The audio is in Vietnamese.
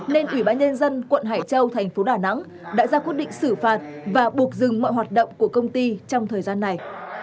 nên ủy ban nhân dân quận hải châu thành phố đà nẵng đã ra quyết định xử phạt và buộc dừng mọi hoạt động của công ty trong thời gian này